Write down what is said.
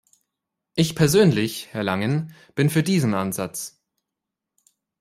Ich persönlich, Herr Langen, bin für diesen Ansatz.